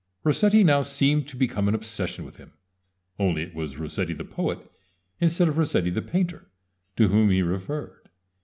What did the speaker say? Rossetti now seemed to become an obsession with him; only it was Rossetti the poet instead of Rossetti the painter to whom he referred.